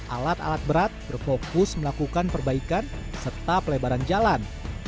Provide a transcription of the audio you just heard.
alat alat berat berfokus melakukan perbaikan serta pelebaran jalan